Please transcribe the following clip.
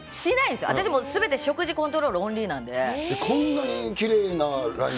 すべて、食事コントロールオンリーなんで。ねぇ。